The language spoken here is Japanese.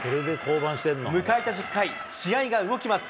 迎えた１０回、試合が動きます。